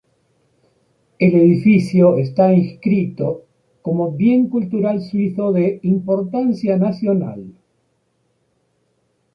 El edificio está inscrito como bien cultural suizo de importancia nacional.